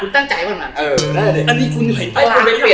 คุณตั้งใจมากคือเอ้อนี่คุณเห็นตั้งแล้ว